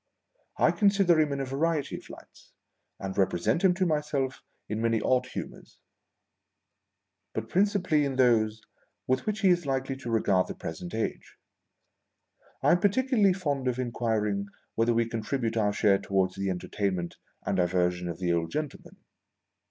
I consider him in a variety of lights, and represent him to myself in many odd humours, but principally in those with which he is likely to regard the present age. I aui particularly fond of inquiring whether we contribute our share towards the entertain ment and diversion of the old gentleman.